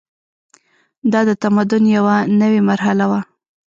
دا د تمدن یوه نوې مرحله وه.